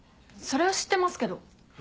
それは知ってますけど。